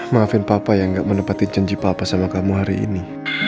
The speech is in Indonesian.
maafin papa yang gak menepati janji papa sama kamu hari ini